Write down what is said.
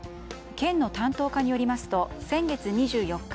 県の担当課によりますと先月２４日